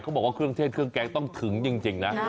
บอกว่าเครื่องเทศเครื่องแกงต้องถึงจริงนะ